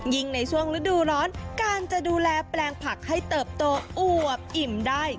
ในช่วงฤดูร้อนการจะดูแลแปลงผักให้เติบโตอวบอิ่มได้